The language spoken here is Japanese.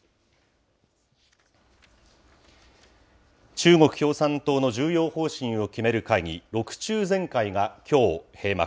中国共産党の重要方針を決める会議、６中全会がきょう閉幕。